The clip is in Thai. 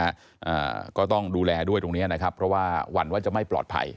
อ่าก็ต้องดูแลด้วยตรงเนี้ยนะครับเพราะว่าหวั่นว่าจะไม่ปลอดภัย